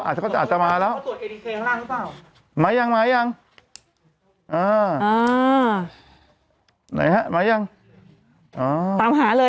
อาจจะอาจจะมาแล้วมายังมายังอ่าอ่าไหนฮะมายังอ๋อตามหาเลย